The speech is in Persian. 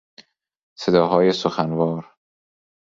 صداهای سخنوار